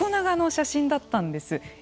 横長の写真だったんです。